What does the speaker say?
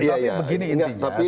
tapi begini intinya